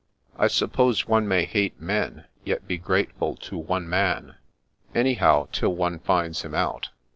I suppose one may hate men, yet be grateful to one man — anyhow, till one finds him out